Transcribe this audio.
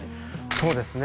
そうですね